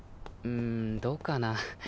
んどうかな。